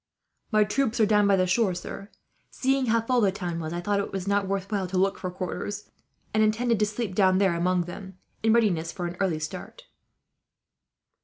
"My troops are down by the shore, sir. Seeing how full the town was, I thought it was not worth while to look for quarters; and intended to sleep down there among them, in readiness for an early start."